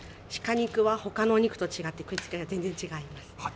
鹿肉はほかのお肉と違って、食いつきが全然違います。